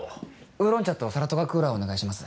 ウーロン茶とサラトガ・クーラーお願いします。